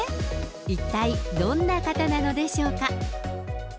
一体どんな方なのでしょうか。